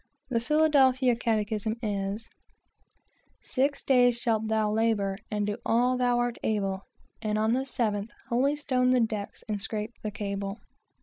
The "Philadelphia Catechism" is, "Six days shalt thou labor and do all thou art able, And on the seventh holystone the decks and scrape the cable."